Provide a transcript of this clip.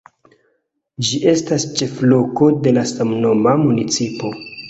Ĝi estas ĉefloko de samnoma municipo.